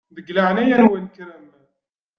Di leɛnaya-nwen kkrem.